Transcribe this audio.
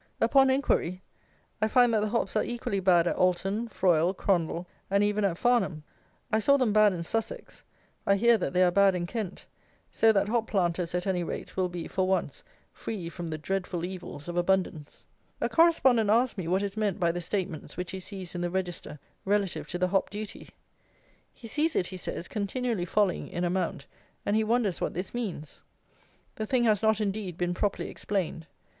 Upon inquiry, I find that the hops are equally bad at Alton, Froyle, Crondall, and even at Farnham. I saw them bad in Sussex; I hear that they are bad in Kent; so that hop planters, at any rate, will be, for once, free from the dreadful evils of abundance. A correspondent asks me what is meant by the statements which he sees in the Register, relative to the hop duty? He sees it, he says, continually falling in amount; and he wonders what this means. The thing has not, indeed, been properly explained.